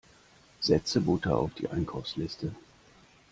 Setze Butter auf die Einkaufsliste!